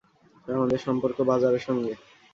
আমাদের সম্পর্ক বাজারের সঙ্গে।